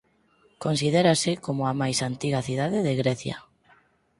Considérase como a máis antiga cidade de Grecia.